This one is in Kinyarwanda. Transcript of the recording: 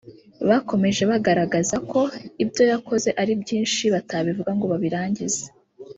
Bakomeje bagaragaza ko ibyo yakoze ari byinshi batabivuga ngo babirangize